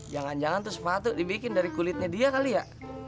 jangan jangan tuh sepatu dibikin dari kulitnya dia kali ya